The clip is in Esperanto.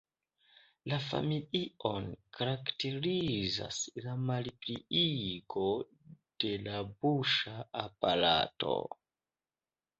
La familion karakterizas la malpliigo de la buŝa aparato.